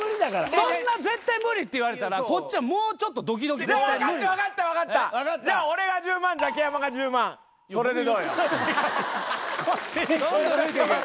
そんな「絶対無理」って言われたらこっちはもうちょっとドキドキじゃ分かった分かった分かったじゃあ俺が１０万ザキヤマが１０万それでどうよ？